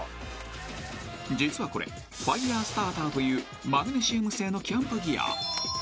［実はこれファイヤースターターというマグネシウム製のキャンプギア］